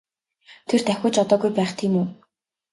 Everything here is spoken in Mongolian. Тэр давхиж одоогүй байх тийм үү?